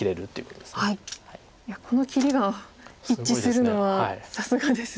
この切りが一致するのはさすがです。